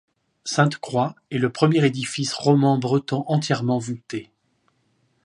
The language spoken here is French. Sainte-Croix est le premier édifice roman breton entièrement voûté.